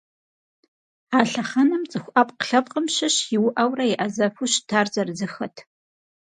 А лъэхъэнэм цӏыху ӏэпкълъэпкъым щыщ иуӏэурэ еӏэзэфу щытар зырызыххэт.